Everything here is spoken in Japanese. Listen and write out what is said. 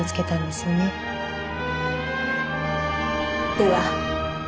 では。